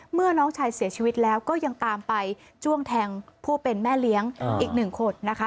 น้องชายเสียชีวิตแล้วก็ยังตามไปจ้วงแทงผู้เป็นแม่เลี้ยงอีกหนึ่งคนนะคะ